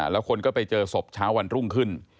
แล้วคนก็ไปเจอศพเช้าวันรุ่งขึ้น